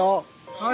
はい。